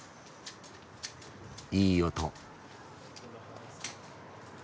・いい音。